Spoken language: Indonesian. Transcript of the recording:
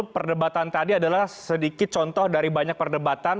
perdebatan tadi adalah sedikit contoh dari banyak perdebatan